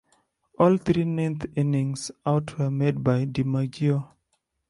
All three ninth-inning outs were made by DiMaggio.